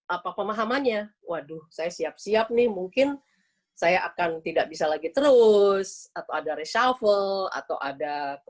apa pemahamannya waduh saya siap siap nih mungkin saya akan tidak bisa lagi terus atau ada reshuffle atau ada